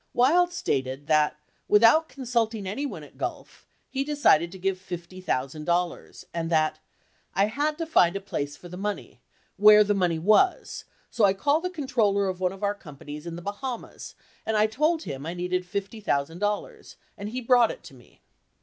64 Wild stated that, without consulting anyone at Gulf, he decided to give $50,000 and that "I had to find a place for the money — where the money was, so I called the controller of one of our companies in the Bahamas and told him I needed $50,000 and he brought it to me."